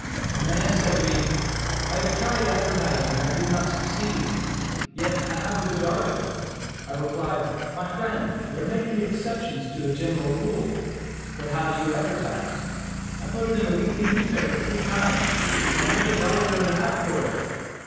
A man said to me, "I have tried advertising, and did not succeed; yet I have a good article." I replied, "My friend, there may be exceptions to a general rule. But how do you advertise?" "I put it in a weekly newspaper three times, and paid a dollar and a half for it."